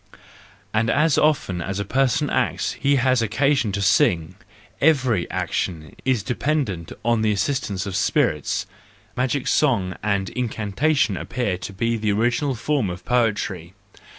And as often as a person acts he has occasion to sing, every action is dependent on the assistance of spirits; THE JOYFUL WISDOM, II 119 magic song and incantation appear to be the original form of poetry.